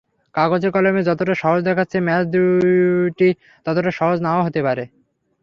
কাগজে কলমে যতটা সহজ দেখাচ্ছে, ম্যাচ দুইটি ততটা সহজ নাও হতে পারে।